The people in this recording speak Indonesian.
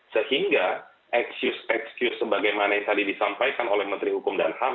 sehingga excuse excuse sebagaimana yang tadi disampaikan oleh menteri hukum dan ham